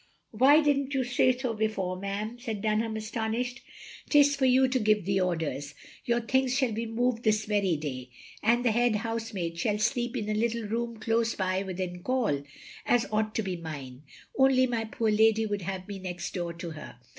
"Why didn't you say so before, ma'am?" said Dunham, astonished. " 'T is for you to give the orders. Your things shall be moved this very day. And the head housemaid shall sleep in a little room close by within call, as ought to be mine, only my poor lady wotild have me next door to her.